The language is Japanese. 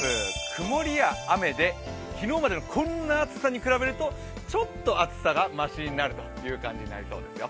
曇りや雨で昨日までのこんな暑さに比べると、ちょっと暑さがましになるという感じになりそうですよ。